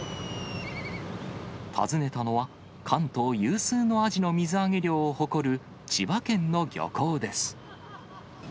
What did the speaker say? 訪ねたのは、関東有数のアジの水揚げ量を誇る、千葉県の漁港です。